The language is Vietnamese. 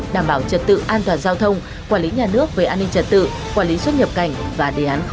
đảm bảo trật tự an toàn giao thông quản lý nhà nước về an ninh trật tự quản lý xuất nhập cảnh và đề án sáu